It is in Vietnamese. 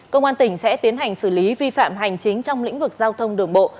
công an tỉnh sẽ tiến hành xử lý vi phạm hành chính trong lĩnh vực giao thông đường bộ